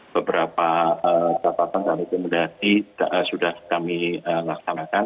beberapa catatan dan rekomendasi sudah kami laksanakan